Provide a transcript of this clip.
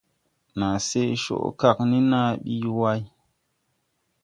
Naa se coʼ kag ni na bi yuway.